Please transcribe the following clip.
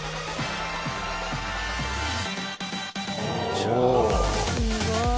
すごい。